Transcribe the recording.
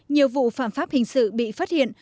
nhiều vụ phạm pháp hình sự bị phát hiện